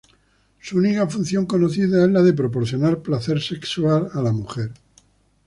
Su única función conocida es la de proporcionar placer sexual a la mujer.